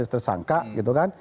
tersangka gitu kan